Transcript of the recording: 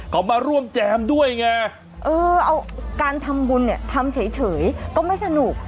เขามาร่วมแจมด้วยไงเออเอาการทำบุญเนี่ยทำเฉยก็ไม่สนุก